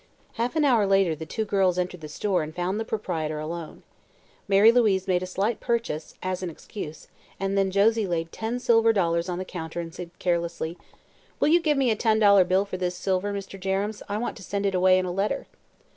Half an hour later the two girls entered the store and found the proprietor alone. Mary Louise made a slight purchase, as an excuse, and then Josie laid ten silver dollars on the counter and said carelessly: "Will you give me a ten dollar bill for this silver, Mr. Jerrems? I want to send it away in a letter."